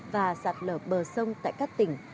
và sạt lở bờ sông tại các tỉnh